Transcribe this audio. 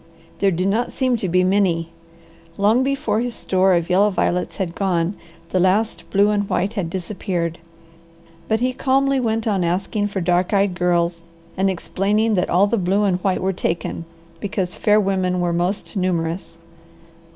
There did not seem to be many. Long before his store of yellow violets was gone the last blue and white had disappeared. But he calmly went on asking for dark eyed girls, and explaining that all the blue and white were taken, because fair women were most numerous.